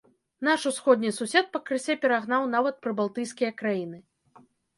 Наш усходні сусед пакрысе перагнаў нават прыбалтыйскія краіны.